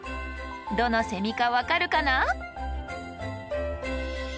どのセミか分かるかな？